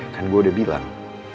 kan gue udah bilang